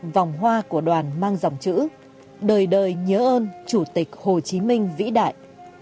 vòng hoa của đoàn mang dòng chữ đời đời nhớ ơn chủ tịch hồ chí minh vĩ đại